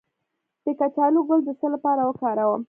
د کچالو ګل د څه لپاره وکاروم؟